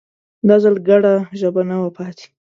دا ځل ګډه ژبه نه وه پاتې